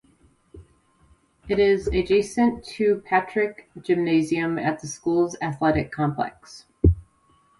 It is adjacent to Patrick Gymnasium at the school's athletic complex.